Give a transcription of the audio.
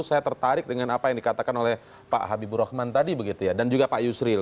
saya tertarik dengan apa yang dikatakan oleh pak habibur rahman tadi begitu ya dan juga pak yusril